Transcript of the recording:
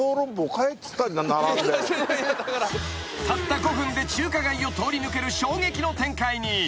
［たった５分で中華街を通り抜ける衝撃の展開に］